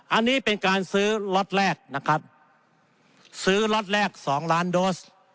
อันนี้เป็นการซื้อล็อตแรกนะครับซื้อล็อตแรกสองล้านโดส